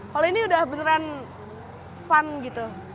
kalau ini udah beneran fun gitu